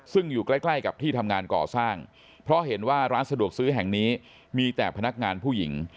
ซึ่งอยู่ใกล้ใกล้กับที่ทำงานก่อสร้างเพราะเห็นว่าร้านสะดวกซื้อแห่งนี้มีแต่พนักงานผู้หญิง